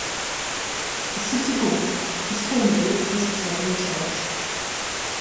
The City Hall was formerly a Presbyterian Church.